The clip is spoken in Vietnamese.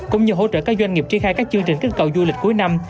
cũng như hỗ trợ các doanh nghiệp tri khai các chương trình kết cậu du lịch cuối năm